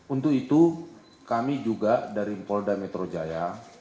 untuk itu kami juga dari polda metro jaya